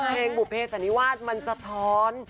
เพลงบุบเผชอันนี้ว่ามันสะท้อน